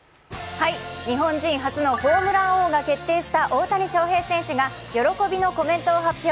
日本人初のホームラン王が決定した大谷翔平選手が喜びのコメントを発表。